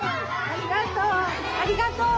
ありがとう！